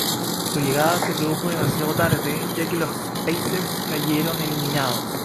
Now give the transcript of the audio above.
Su llegada se produjo demasiado tarde, ya que los Pacers cayeron eliminados.